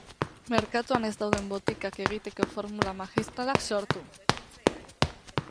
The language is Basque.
Merkatuan ez dauden botikak egiteko formula magistralak sortu.